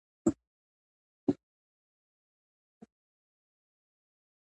که خوله زیاته شي، باید ډاکټر ته ورشو.